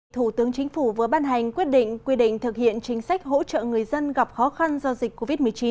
thủ tướng chính phủ vừa ban hành quyết định thực hiện chính sách hỗ trợ người dân gặp khó khăn do dịch covid một mươi chín